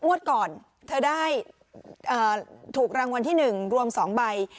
งวดก่อนเธอได้เอ่อถูกรางวลที่หนึ่งรวมสองใบ